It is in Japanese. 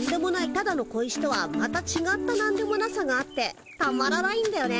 ただの小石とはまたちがったなんでもなさがあってたまらないんだよね。